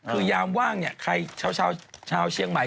คือยามว่างเนี่ยใครชาวเชียงใหม่